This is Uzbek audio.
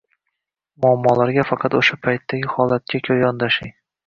Muammolarga faqat o‘sha paytdagi holatga ko‘ra yondoshing.